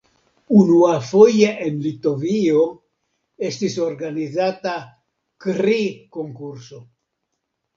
Unuafoje en Litovio estis organizita kri-konkurso.